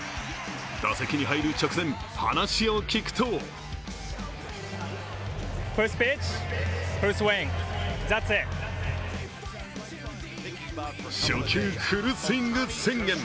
打席に入る直前、話を聞くと初球フルスイング宣言。